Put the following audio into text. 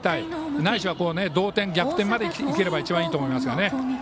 ないしは同点、逆転までいければ一番いいと思います。